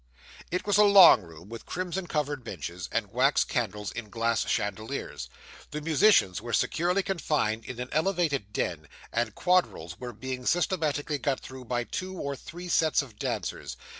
It was a long room, with crimson covered benches, and wax candles in glass chandeliers. The musicians were securely confined in an elevated den, and quadrilles were being systematically got through by two or three sets of dancers.